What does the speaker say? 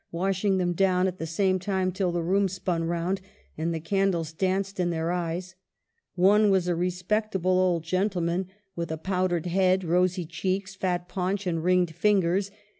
. washing them down at the same time till the room spun round and the candles danced in their eyes. One was a respectable old gentleman with pow GIRLHOOD AT HA WORTH. 85 dered head, rosy cheeks, fat paunch, and ringed fingers